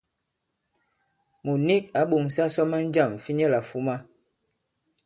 Mùt nik à ɓo᷇ŋsa sɔ maŋ jâm fi nyɛlà fuma.